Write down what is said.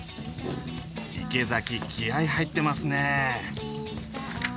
池崎気合い入ってますね。